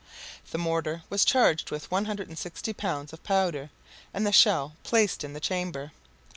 The mortar was charged with 160 pounds of powder, and the shell placed in the chamber.